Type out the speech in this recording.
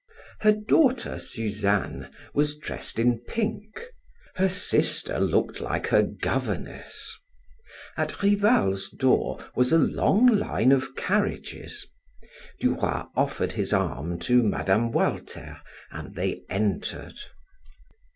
Her daughter, Suzanne, was dressed in pink; her sister looked like her governess. At Rival's door was a long line of carriages. Du Roy offered his arm to Mme. Walter and they entered.